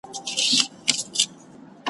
خو له خیاله په کاږه مغزي روان وي `